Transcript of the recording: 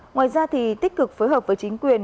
ngoài ra thì tích cực phối hợp với chính quyền